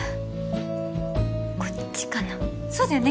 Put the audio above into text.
こっちかなそうだよね